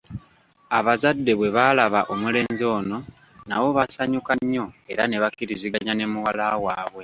Abazadde bwebaalaba omulenzi ono nabo baasanyuka nnyo era ne bakkiriziganya ne muwala waabwe.